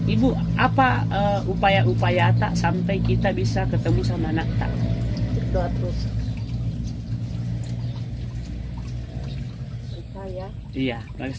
ibu apa upaya upaya tak sampai kita bisa ketemu sama anak tak